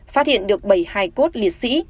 phát hiện được bảy mươi hai cốt liệt sĩ